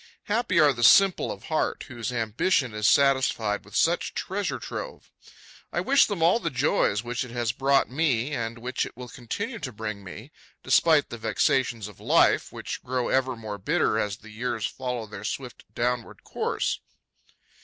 Happy are the simple of heart whose ambition is satisfied with such treasure trove! I wish them all the joys which it has brought me and which it will continue to bring me, despite the vexations of life, which grow ever more bitter as the years follow their swift downward course.